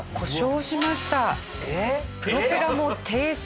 プロペラも停止。